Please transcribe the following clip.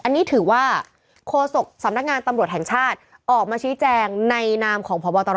อันนี้ถือว่าโคศกสำนักงานตำรวจแห่งชาติออกมาชี้แจงในนามของพบตร